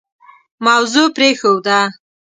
موضوع پرېښوده.